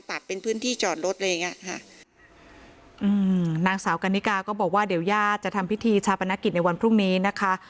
เป็นพื้นที่จอดรถอะไรอย่างเงี้ยค่ะอืมนางสาวกันนิกาก็บอกว่าเดี๋ยวญาติจะทำพิธีชาปนกิจในวันพรุ่งนี้นะคะ